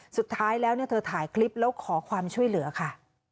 สุดท้ายแล้วเธอถ่ายคลิปแล้วขอความช่วยเหลือค่ะ